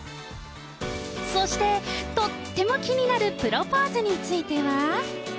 そして、とっても気になるプロポーズについては。